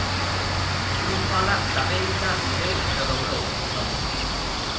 Non fala da venta de Ferroglobe, non.